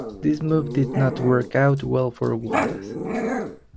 This move did not work out well for Wallace.